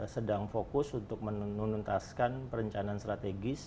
sedang fokus untuk menuntaskan perencanaan strategis